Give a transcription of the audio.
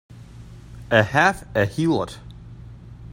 A half a heelot!